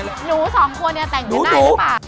หนูสองคนเนี่ยแต่งกันได้หรือเปล่า